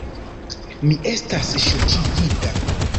Mi estas ŝokigita!